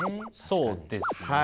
そうですね。